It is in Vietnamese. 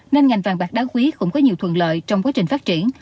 nên ngành vàng bạc đá quý cũng có nhiều thuận lợi trong quá trình phát triển